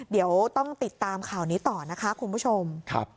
เดี๋ยวต้องติดตามข่าวนี้ต่อนะคะคุณผู้ชม